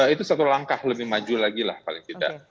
itu satu langkah lebih maju lagi lah paling tidak